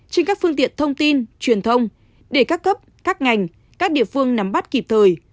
trên các phương tiện thông tin truyền thông để các cấp các ngành các địa phương nắm bắt kịp thời